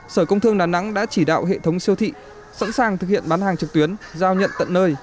sở công thương đà nẵng đã chỉ đạo hệ thống siêu thị sẵn sàng thực hiện bán hàng trực tuyến giao nhận tận nơi